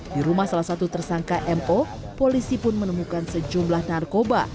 di rumah salah satu tersangka mo polisi pun menemukan sejumlah narkoba